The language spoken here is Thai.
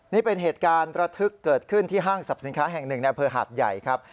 นี่เป็นเหตุการณ์ระทึกเกิดขึ้นที่ห้างสรรพสินค้าแห่งหนึ่งในอำเภอหาดใหญ่ครับ